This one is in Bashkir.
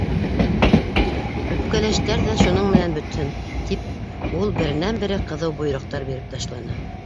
Үпкәләштәр ҙә шуның менән бөтһөн, — тип ул беренән-бере ҡыҙыу бойороҡтар биреп ташланы.